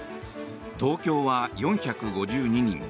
東京は４５２人。